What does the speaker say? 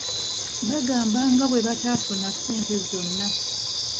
Baagamba nga bwe bataafuna ssente zonna.